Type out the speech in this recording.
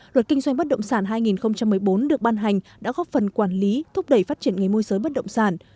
luật kinh doanh bất động sản hai nghìn một mươi bốn được ban hành đã góp phần quản lý thúc đẩy phát triển nghề môi giới bất động sản